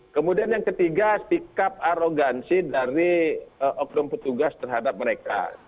kemudian yang ketiga sikap arogansi dari oknum petugas terhadap mereka